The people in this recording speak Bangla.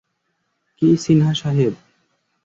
কী, সিনহা সাহেব।